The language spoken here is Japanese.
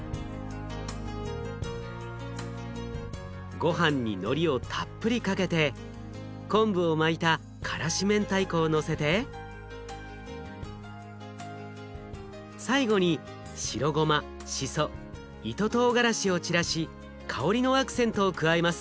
ごはんにのりをたっぷりかけて昆布を巻いた辛子明太子をのせて最後に白ごましそ糸とうがらしを散らし香りのアクセントを加えます。